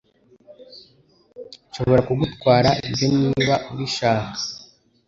Nshobora kugutwara ibyo niba ubishaka.